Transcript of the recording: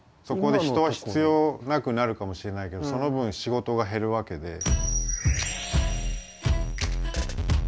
そこで人は必要なくなるかもしれないけどその分仕事が減るわけで。